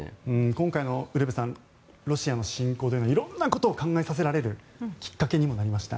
今回のロシアの侵攻で色んなことを考えさせられるきっかけにもなりました。